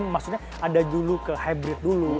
maksudnya ada dulu ke hybrid dulu